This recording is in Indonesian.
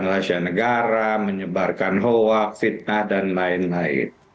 menyelidurkan rahasia negara menyebarkan hoax fitnah dan lain lain